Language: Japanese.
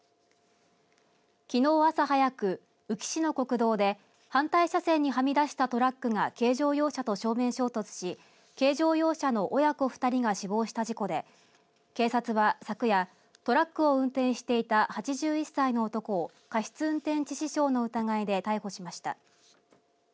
きのう朝早く、宇城市の国道で反対車線にはみ出したトラックが軽乗用車と正面衝突し軽乗用車の親子２人が死亡した事故で警察は、昨夜トラックを運転していた８１歳の男を過失運転致死傷の疑いで逮捕しました。